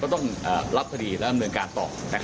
ต้องรับทดีและเริ่มเรือนการต่อ